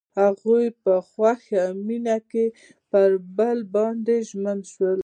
هغوی په خوښ مینه کې پر بل باندې ژمن شول.